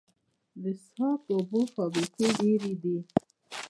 د څښاک اوبو فابریکې ډیرې دي